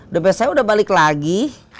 dompet saya udah balik lagi